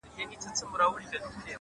هره هڅه راتلونکی بدلوي